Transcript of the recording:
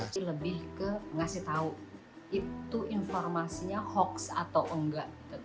lebih ke ngasih tahu itu informasinya hoax atau enggak